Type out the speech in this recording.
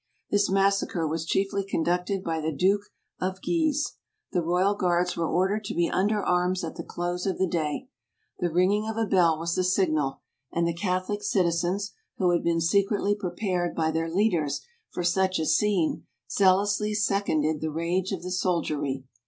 This massacre was chiefly conducted by the duke of Guise. The royal guards were ordered to be under arms at the close of the day. The ringing of a bell was the signal; PRANCE. 87 and the catholic citizens, who had been secretly prepared by their leaders for such a scene, zea¬ lously seconded the rage of the soldiery.